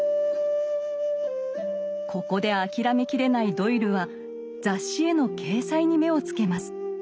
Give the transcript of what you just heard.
ここで諦めきれないドイルは雑誌への掲載に目をつけます。